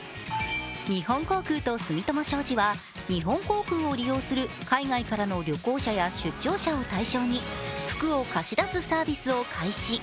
日本航空と住友商事は日本航空を利用する海外からの旅行者や出張者を対象に服を貸し出すサービスを開始。